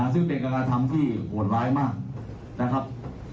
ซึ่งเป็นการกระทำที่โหดร้ายมากนะครับ